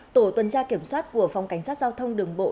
tổ tuần tra kiểm soát của phòng cảnh sát giao thông đường bộ